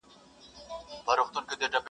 • موږکان د غار په خوله کي ګرځېدله..